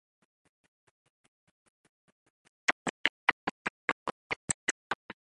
Townsend had no further vocal hits of his own.